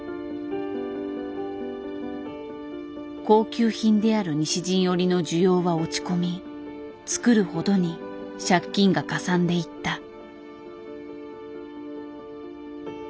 高級品である西陣織の需要は落ち込み作るほどに借金がかさんでいった。